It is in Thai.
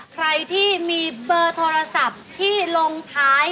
ใครที่มีเบอร์โทรศัพท์ที่ลงท้าย